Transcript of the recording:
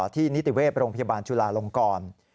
นิติเวศโรงพยาบาลจุลาลงกร